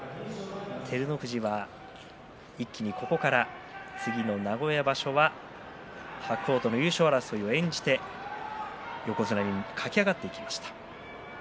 照ノ富士は一気にここから次の名古屋場所は白鵬との優勝争いを演じて横綱に駆け上がっていきました。